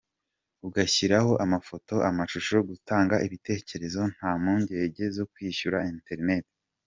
Ugashyiraho amafoto, amashusho, gutanga ibitekerezo, nta mpungenge zo kwishyura internet.